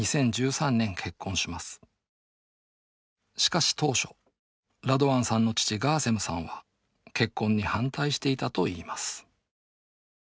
しかし当初ラドワンさんの父ガーセムさんは結婚に反対していたといいます